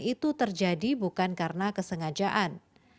itu terjadi bukan karena kesengajaan